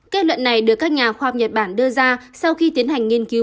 kết luận này được các nhà khoa học nhật bản đưa ra sau khi tiến hành nghiên cứu